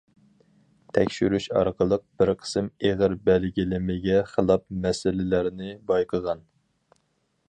تەكشۈرۈش ئارقىلىق بىر قىسىم ئېغىر بەلگىلىمىگە خىلاپ مەسىلىلەرنى بايقىغان.